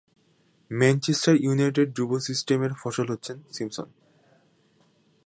Manchester United যুব system এর ফসল হচ্ছেন সিম্পসন।